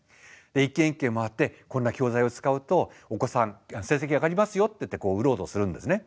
一軒一軒回って「こんな教材を使うとお子さん成績上がりますよ」って言ってこう売ろうとするんですね。